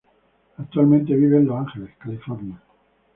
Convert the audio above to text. Actualmente vive en Los Ángeles California.